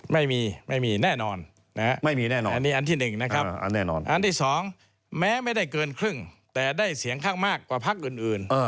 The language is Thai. ไม่มีไม่มีแน่นอนอันนี้อันที่หนึ่งนะครับอันที่สองแม้ไม่ได้เกินครึ่งแต่ได้เสียงข้างมากกว่าภักด์อื่น